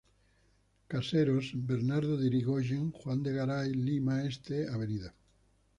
Caseros, Bernardo de Irigoyen, Juan de Garay, Lima Este, Av.